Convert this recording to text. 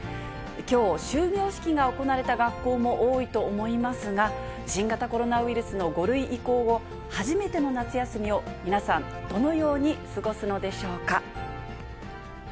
きょう、終業式が行われた学校も多いと思いますが、新型コロナウイルスの５類移行後、初めての夏休みを皆さん、どのように過ごすのでしょうか。